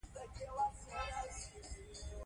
بیرغ وړونکی رالوېدلی وو.